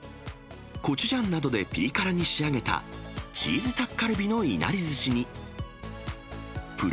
コチュジャンなどでぴり辛に仕上げたチーズタッカルビのいな